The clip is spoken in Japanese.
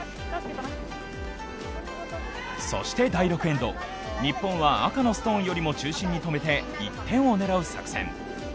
そして第６エンド、日本は赤のストーンよりも中心に止めて、１点を狙う作戦。